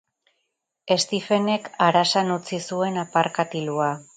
Stephenek arasan utzi zuen apar-katilua.